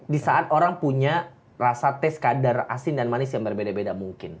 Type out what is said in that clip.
disaat orang punya rasa teh sekadar asin dan manis yang berbeda beda mungkin